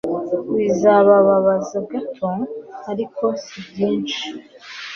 Bizababaza gato, ariko sibyinshi.